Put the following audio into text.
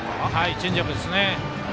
チェンジアップでしたね。